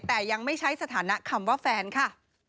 แต่ยังไม่ใช้สถานะคำว่าแฟนค่ะ